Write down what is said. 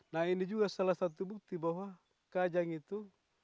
nah ini juga salah satu bukti bahwa kajang itu